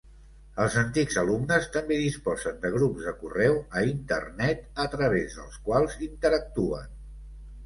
Els antics alumnes també disposen de grups de correu a Internet a través dels quals interactuen.